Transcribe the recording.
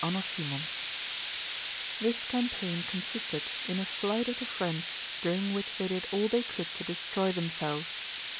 CHAPTER XVIII This campaign consisted in a flight of the French during which they did all they could to destroy themselves.